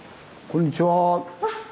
こんにちは。